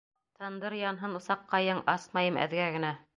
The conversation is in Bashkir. Тандыр янһын усаҡҡайың, Асмайым әҙгә генә.